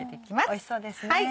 おいしそうですね。